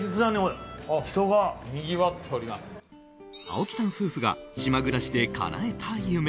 青木さん夫婦が島暮らしでかなえた夢。